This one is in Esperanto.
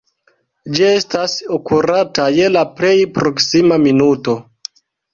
Ĝi estas akurata je la plej proksima minuto.